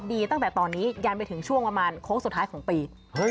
ดีตั้งแต่ตอนนี้ยันไปถึงช่วงประมาณโค้งสุดท้ายของปี